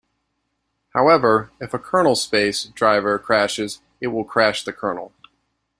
However, if a kernel-space driver crashes it will crash the kernel.